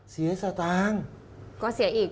สตางค์ก็เสียอีก